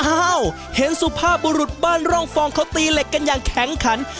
อ้าวเห็นสุภาพบุรุษบ้านร่องฟองเขาตีเหล็กกันอย่างแข็งขัน